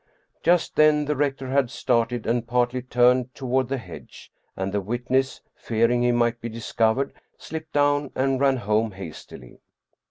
Just then the rector had started and partly turned toward the hedge, and the witness, fearing he might be discovered, slipped down and ran home hastily.